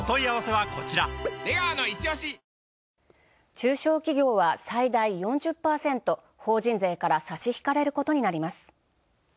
中小企業は最大４０％法人税から差し引かれることになります。